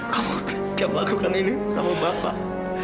kamu siap melakukan ini sama bapak